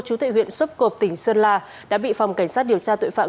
chủ tịch huyện sốp cộp tỉnh sơn la đã bị phòng cảnh sát điều tra tội phạm